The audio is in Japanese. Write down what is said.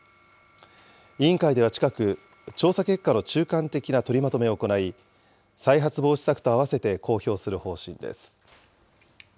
委員会では近く、調査結果の中間的な取りまとめを行い、再発防止策とあわせて公表する方針です。